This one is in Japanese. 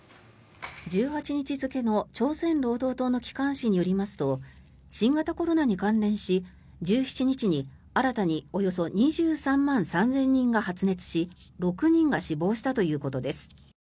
１８日付の朝鮮労働党の機関紙によりますと新型コロナに関連し１７日に新たにおよそ２３万３０００人が発熱し６人が死亡したということです。